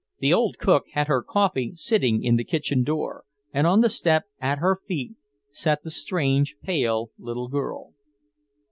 The old cook had her coffee sitting in the kitchen door, and on the step, at her feet, sat the strange, pale little girl.